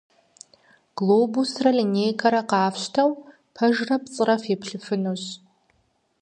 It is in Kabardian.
Глобусрэ линейкэрэ къафщтэу, пэжрэ пцӀырэ феплъыфынущ.